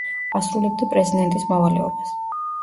ასრულებდა პრეზიდენტის მოვალეობას.